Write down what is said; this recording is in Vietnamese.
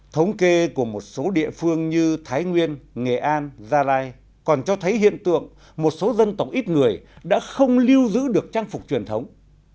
thống kê của một số địa phương như thái nguyên nghệ an gia lai còn cho thấy hiện tượng một số dân tộc ít người đã không lưu giữ được trang phục truyền thống